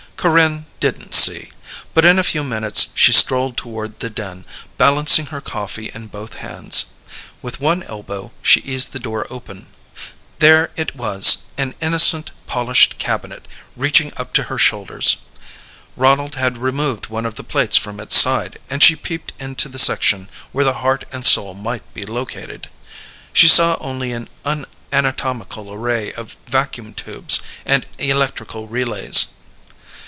Corinne didn't see, but in a few minutes she strolled toward the den, balancing her coffee in both hands. With one elbow she eased the door open. There it was: an innocent polished cabinet reaching up to her shoulders. Ronald had removed one of the plates from its side and she peeped into the section where the heart and soul might be located. She saw only an unanatomical array of vacuum tubes and electrical relays.